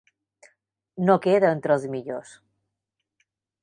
No queda entre els millors.